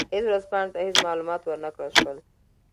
هېڅ ورځپاڼې ته هېڅ معلومات ور نه کړل شول.